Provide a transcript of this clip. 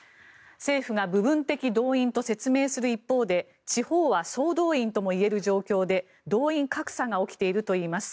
政府が部分的動員と説明する一方で地方は総動員ともいえる状況で動員格差が起きているといいます。